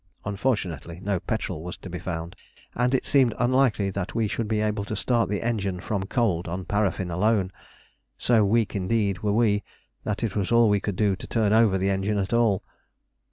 Unfortunately no petrol was to be found, and it seemed unlikely that we should be able to start the engine from cold on paraffin alone. So weak indeed were we, that it was all we could do to turn over the engine at all.